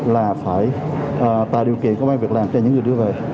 là phải tạo điều kiện có bao nhiêu việc làm cho những người đưa về